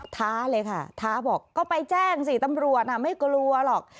ท้าเลยค่ะท้าบอกก็ไปแจ้งสิตำรวจไม่กลัวหรอก